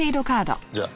じゃあ。